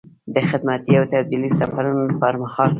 د خدمتي او تبدیلي سفرونو پر مهال.